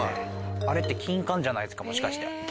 あれってキンカンじゃないですかもしかして。